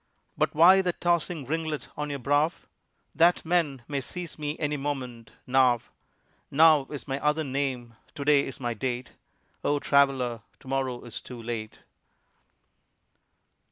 "But why that tossing ringlet on your brow?" "That men may seize me any moment: Now, NOW is my other name: to day my date: O traveler, to morrow is too late!"